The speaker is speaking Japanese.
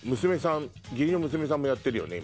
義理の娘さんもやってるよね